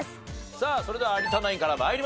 さあそれでは有田ナインから参りましょう。